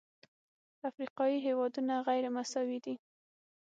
افریقایي هېوادونه غیرمساوي دي.